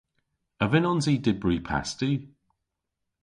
A vynnons i dybri pasti?